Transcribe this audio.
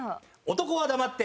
男は黙って。